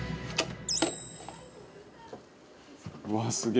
「うわーすげえ」